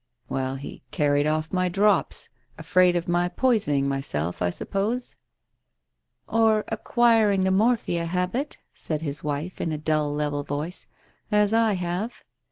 " Well, he carried off my drops. Afraid of my poison ing myself, I suppose ?" "Or acquiring the morphia habit," said his wife in a dull level voice, "as I have."